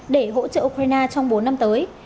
để hỗ trợ ukraine trong bốn năm tới